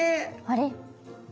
あれ？